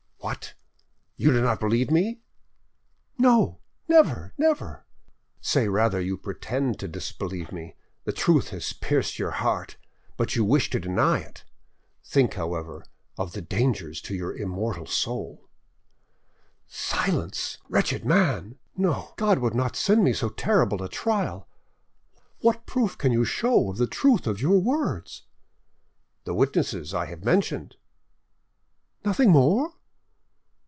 "What! you do not believe me?" "No, never, never!" "Say rather you pretend to disbelieve me: the truth has pierced your heart, but you wish to deny it. Think, however, of the danger to your immortal soul." "Silence, wretched man!... No, God would not send me so terrible a trial. What proof can you show of the truth of your words?" "The witnesses I have mentioned." "Nothing more?"